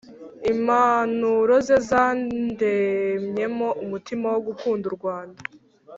impanuro ze zandemyemo umutima wo gukunda u rwanda.